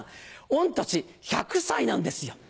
御年１００歳なんですよ！